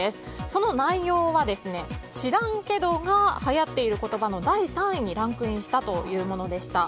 その内容は、知らんけどが流行っている言葉の第３位にランクインしたというものでした。